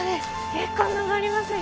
結構登りますよ。